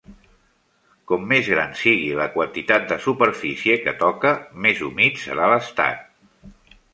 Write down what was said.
Com més gran sigui la quantitat de superfície que toca, més humit serà l'estat.